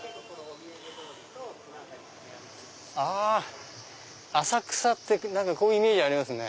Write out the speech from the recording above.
あ浅草ってこういうイメージありますね。